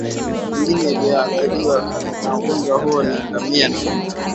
Mingine inayoathiriwa na ugonjwa huo ni ngamia na ngombe